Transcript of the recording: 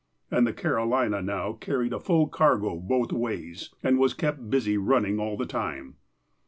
And the Carolina now carried a full cargo both ways, and was kept busy running all the time.